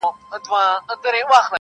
• ستا خوږې خبري د سِتار سره سندري دي..